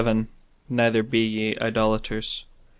Neither be ye idolaters.